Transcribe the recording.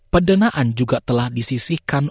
perdanaan juga telah disisihkan